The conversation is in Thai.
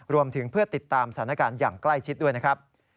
รวมถึงเพื่อติดตามสถานการณ์อย่างใกล้ชิดด้วยนะครับ